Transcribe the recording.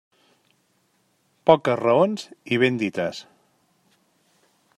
Poques raons i ben dites.